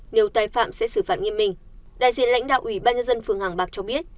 nếu tài phạm sẽ xử phạt nghiêm minh đại diện lãnh đạo ủy ban nhân dân phường hàng bạc cho biết